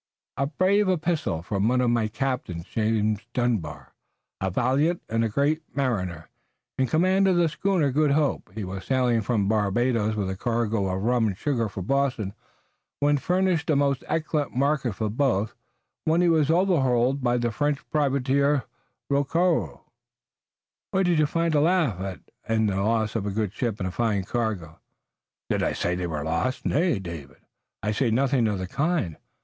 "A brave epistle from one of my captains, James Dunbar, a valiant man and a great mariner. In command of the schooner, Good Hope, he was sailing from the Barbados with a cargo of rum and sugar for Boston, which furnishes a most excellent market for both, when he was overhauled by the French privateer, Rocroi." "What do you find to laugh at in the loss of a good ship and a fine cargo?" "Did I say they were lost? Nay, David, I said nothing of the kind.